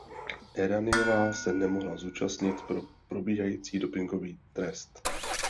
Erraniová se nemohla zúčastnit pro probíhající dopingový trest.